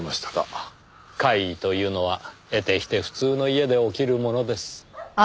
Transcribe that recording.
怪異というのは得てして普通の家で起きるものです。